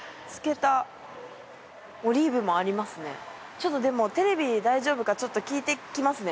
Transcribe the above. ちょっとでもテレビ大丈夫か聞いてきますね。